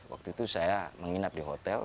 waktu itu saya menginap di hotel